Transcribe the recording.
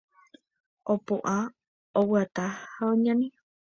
Opu'ã, oguata ha oñani.